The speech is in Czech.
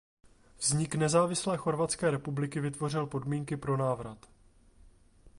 Vznik nezávislé chorvatské republiky vytvořil podmínky pro návrat.